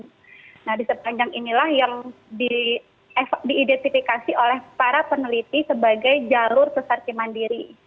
nah di sepanjang inilah yang diidentifikasi oleh para peneliti sebagai jalur sesar cimandiri